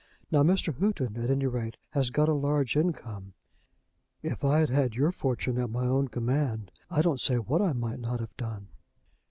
Now Mr. Houghton, at any rate, has got a large income. If I had had your fortune at my own command, I don't say what I might not have done."